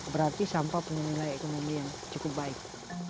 berarti sampah penilai ekonomi yang cukup baik